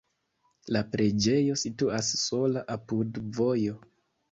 La preĝejo situas sola apud vojo.